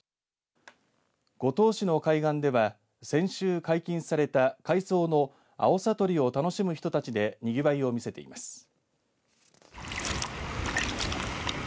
五島市の海岸では先週、解禁された海藻のアオサ採りを楽しむ人たちでにぎわいを見せています。